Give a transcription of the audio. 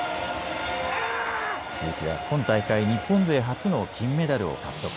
鈴木は今大会、日本勢初の金メダルを獲得。